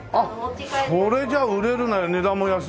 それじゃ売れるね値段も安いし。